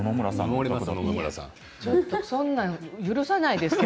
ちょっとそんなん許さないですよ